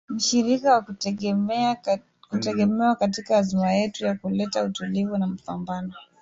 “Mshirika wa kutegemewa katika azma yetu ya kuleta utulivu na mapambano dhidi ya ugaidi”.